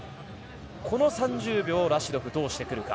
この３０秒をラシドフどうしてくるか。